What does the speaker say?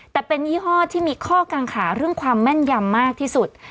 แต่เป็นยี่ห้อที่มีข้อกังขาเรื่องความแม่นยำมากที่สุด